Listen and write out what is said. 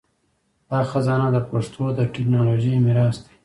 دا خزانه د پښتو د ټکنالوژۍ میراث دی.